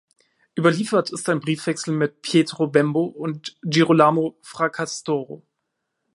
Überliefert ist ein Briefwechsel mit Pietro Bembo und Girolamo Fracastoro.